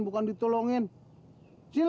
bukan ditolongin cile